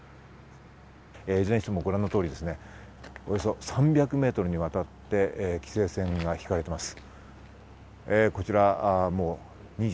いずれにしてもご覧の通り、およそ３００メートルにわたって規制線が引かれています。